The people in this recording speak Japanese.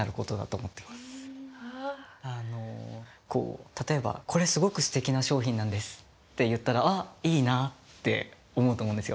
あのこう例えば「これすごくすてきな商品なんです」って言ったら「あいいな」って思うと思うんですよ。